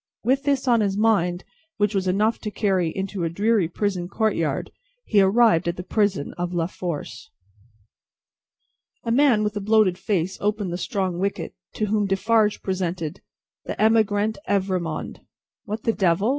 With this on his mind, which was enough to carry into a dreary prison courtyard, he arrived at the prison of La Force. A man with a bloated face opened the strong wicket, to whom Defarge presented "The Emigrant Evrémonde." "What the Devil!